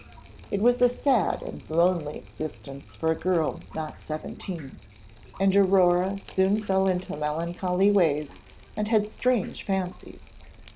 It was a sad and lonely existence for a girl not seventeen, and Aurore soon fell into melancholy ways, and had strange fancies.